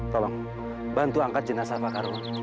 tolong bantu angkat jenazah pak karwo